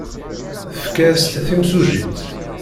Tefka-as-tt timsujjit.